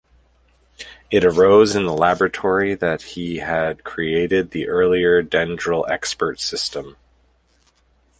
It arose in the laboratory that had created the earlier Dendral expert system.